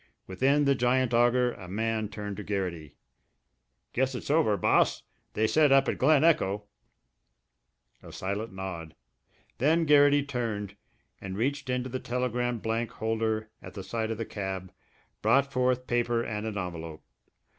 Within the giant auger a man turned to Garrity. "Guess it's over, Boss. They said up at Glen Echo " A silent nod. Then Garrity turned, and reaching into the telegram blank holder at the side of the cab, brought forth paper and an envelope.